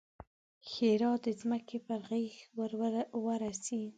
ښېرا: د ځمکې پر غېږ ورسئ!